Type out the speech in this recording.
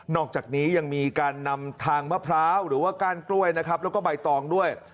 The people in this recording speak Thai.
อกจากนี้ยังมีการนำทางมะพร้าวหรือว่าก้านกล้วยนะครับแล้วก็ใบตองด้วย